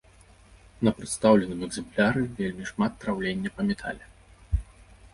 На прадстаўленым экземпляры вельмі шмат траўлення па метале.